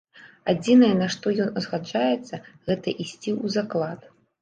Адзінае, на што ён згаджаецца, гэта ісці ў заклад.